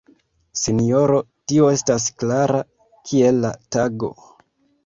Sinjoro, tio estas klara kiel la tago!